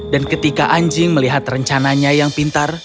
dan ketika anjing melihat rencananya yang pintar